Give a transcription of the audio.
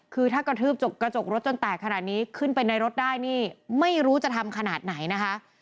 คือถ้ากระทืบกระจกรถจนแตกขนาดนี้ขึ้นไปในรถได้นี่ไม่รู้จะทำขนาดไหนนะคะ